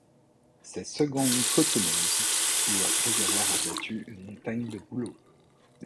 Ces secondes cotonneuses où après avoir abattu une montagne de boulot.